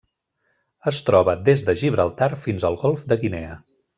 Es troba des de Gibraltar fins al Golf de Guinea.